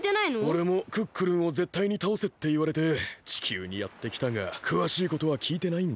おれもクックルンをぜったいにたおせっていわれて地球にやってきたがくわしいことはきいてないんだ。